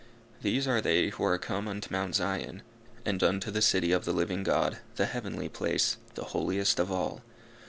These are they who are come unto Mount Zion, and unto the city of the living God, the heavenly place, the holiest of all.